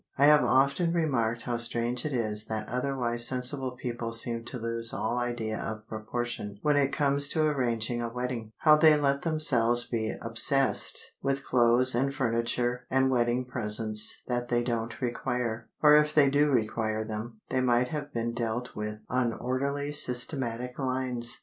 I have often remarked how strange it is that otherwise sensible people seem to lose all idea of proportion when it comes to arranging a wedding; how they let themselves be obsessed with clothes and furniture and wedding presents that they don't require; or if they do require them, they might have been dealt with on orderly systematic lines.